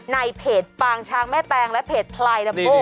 ในเพจปางช้างแม่แตงและเพจพลายลัมโบ